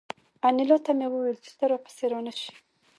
انیلا ته مې وویل چې ته را پسې را نشې